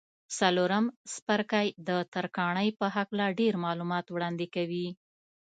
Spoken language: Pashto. څلورم څپرکی د ترکاڼۍ په هکله ډېر معلومات وړاندې کوي.